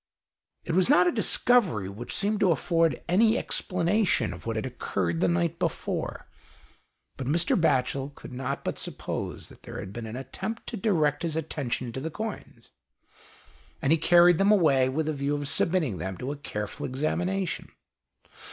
It was not a discovery which seemed to afford any explanation of what had occurred the night before, but Mr. Batchel could not but suppose that there had been an attempt to direct his attention to the coins, and he carried them away with a view of submitting them to a careful examination.